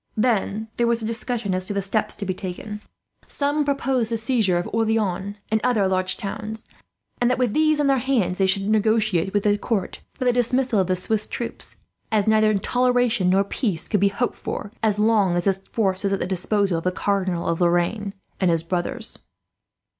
"Then there was a discussion as to the steps to be taken. Some proposed the seizure of Orleans and other large towns; and that, with these in their hands, they should negotiate with the court for the dismissal of the Swiss troops; as neither toleration nor peace could be hoped for, as long as this force was at the disposal of the Cardinal of Lorraine and his brothers.